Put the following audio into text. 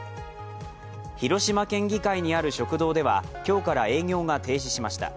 広島県議会にある食堂では今日から営業が停止しました。